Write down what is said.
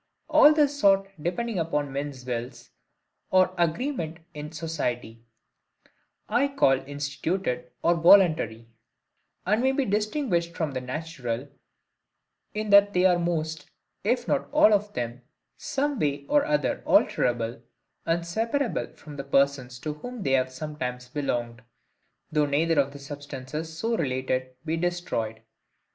All this sort depending upon men's wills, or agreement in society, I call INSTITUTED, or VOLUNTARY; and may be distinguished from the natural, in that they are most, if not all of them, some way or other alterable, and separable from the persons to whom they have sometimes belonged, though neither of the substances, so related, be destroyed.